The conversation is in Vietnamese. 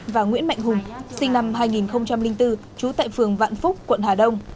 và nguyễn mạnh hùng sinh năm hai nghìn bốn trú tại phường vạn phúc quận hà đông